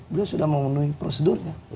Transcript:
beliau sudah memenuhi prosedurnya